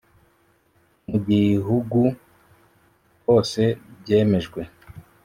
mu gihugu hose byemejwe